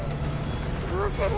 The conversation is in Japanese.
どうする？